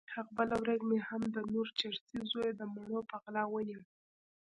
هغه بله ورځ مې هم د نور چرسي زوی د مڼو په غلا ونيو.